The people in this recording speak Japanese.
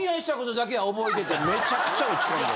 めちゃくちゃ落ち込んで。